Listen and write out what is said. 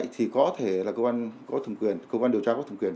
thì có thể là cơ quan điều tra có thùng quyền